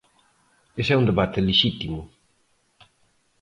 Ese é un debate lexítimo.